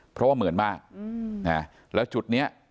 เพราะว่าเหมือนมากอืมนะแล้วจุดเนี้ย